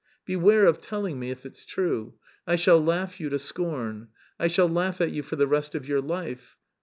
Beware of telling me, if it's true: I shall laugh you to scorn. I shall laugh at you for the rest of your life....